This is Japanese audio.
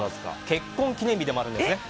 結婚記念日でもあるんですね。